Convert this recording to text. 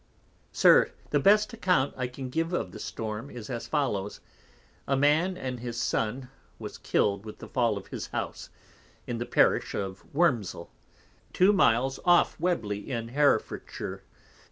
_ SIR, The best account I can give of the Storm, is as follows; a Man and his Son was killed with the fall of his House, in the Parish of Wormsle, 2 miles off Webly in Herefordshire.